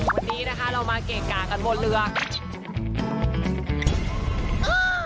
วันนี้นะคะเรามาเกะกะกันบนเรือ